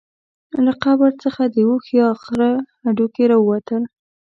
له قبر څخه د اوښ یا خره هډوکي راووتل.